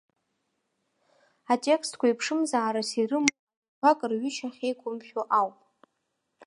Атекстқәа еиԥшымзаарас ирымоу ажәақәак рҩышьақәа ахьеиқәымшәо ауп.